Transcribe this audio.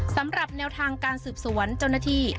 สำหรับแนวทางการสืบสวนเจ้าหน้าที่